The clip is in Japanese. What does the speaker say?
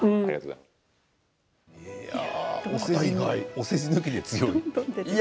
お世辞抜きで強いと。